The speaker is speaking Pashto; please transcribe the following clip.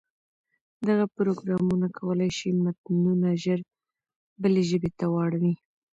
دغه پروګرامونه کولای شي متنونه ژر بلې ژبې ته واړوي.